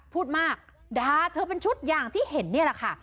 พูดมากดาไปเขาเป็นชุดที่เห็งแน่นาค่ะ